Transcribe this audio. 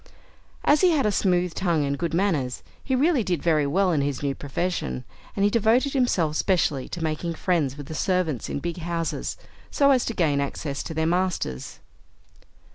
As he had a smooth tongue and good manners, he really did very well in his new profession, and he devoted himself specially to making friends with the servants in big houses, so as to gain access to their masters.